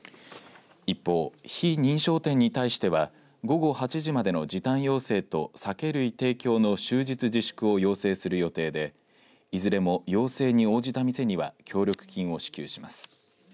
一方、非認証店に対しては午後８時までの時短要請と酒類提供の終日自粛を要請する予定でいずれも要請に応じた店には協力金を支給します。